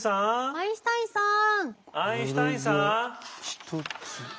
アインシュタインさん！